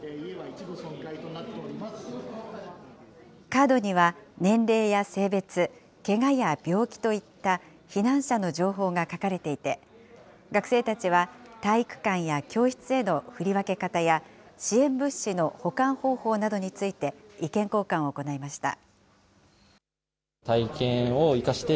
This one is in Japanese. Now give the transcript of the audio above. カードには年齢や性別、けがや病気といった避難者の情報が書かれていて、学生たちは体育館や教室への振り分け方や、支援物資の保管方法などについて意見交換を行いました。